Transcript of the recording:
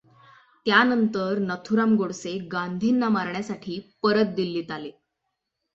त्यानंतर नथुराम गोडसे गांधींना मारण्यासाठी परत दिल्लीत आले.